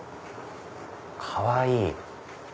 かわいい！